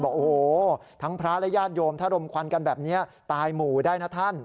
บอกโอ้โหทั้งพระและญาติโยมถ้ารมควันกันแบบนี้ตายหมู่ได้นะท่าน